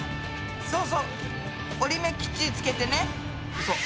そうそう折り目きっちりつけてね。